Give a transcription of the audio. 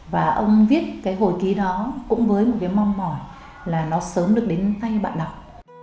và ông viết cái hồi ký đó cũng với một cái mong mỏi là nó sớm được đến tay bạn đọc